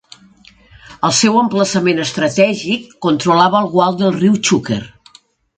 El seu emplaçament estratègic controlava el gual del riu Xúquer.